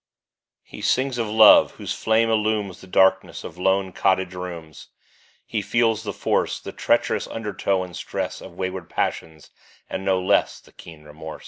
He sings of love, whose flame illumes The darkness of lone cottage rooms ; He feels the force, The treacherous undertow and stress Of wayward passions, and no less The keen remorse.